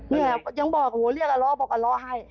เนี่ยยังบอกเรียกอัลล่ะบอกอัลล่ะให้